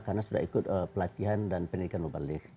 karena sudah ikut pelatihan dan pendidikan mubalik